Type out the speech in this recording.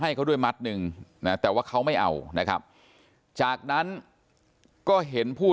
ให้เขาด้วยมัดหนึ่งนะแต่ว่าเขาไม่เอานะครับจากนั้นก็เห็นผู้